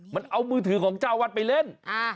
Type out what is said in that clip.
มันเอามือถือของเจ้าวัดไปเล่น